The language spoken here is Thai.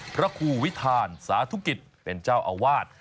พระครูวิทานสาธุกิจเป็นเจ้าอาวาส